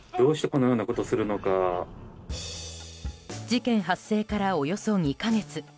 事件発生から、およそ２か月。